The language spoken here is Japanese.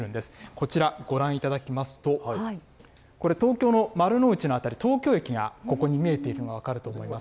こちらご覧いただきますと、これ、東京の丸の内の辺り、東京駅が、ここに見えているのが分かると思います。